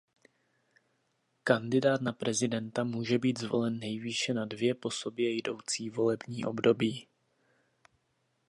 Kandidát na prezidenta může být zvolen nejvýše na dvě po sobě jdoucí volební období.